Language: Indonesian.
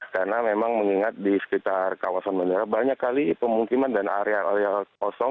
karena memang mengingat di sekitar kawasan bandara banyak kali pemungkiman dan area area kosong